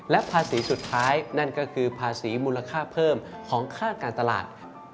และภาษีสุดท้ายนั่นก็คือภาษีมูลค่าเพิ่มของค่าการตลาด